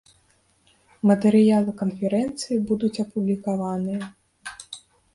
Матэрыялы канферэнцыі будуць апублікаваныя.